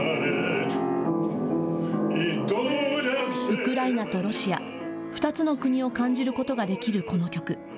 ウクライナとロシア、２つの国を感じることができるこの曲。